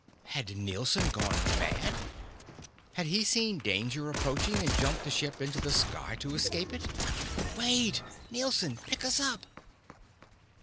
Had Nielson gone mad? Had he seen danger approaching and jumped the ship into the sky to escape it? "Wait! Nielson! Pick us up!"